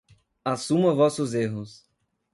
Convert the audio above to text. Assuma vossos erros